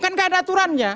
kan nggak ada aturannya